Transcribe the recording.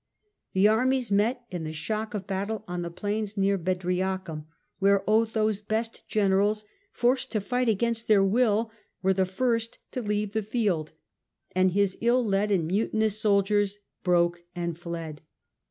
The armies met in the shock of battle on the plains near „• H IS army Bedriacum, where Otho^s best generals, was routed forced to fight against their will, were the first to leave the field, and his ill led and mutinous soldiers broke and fled.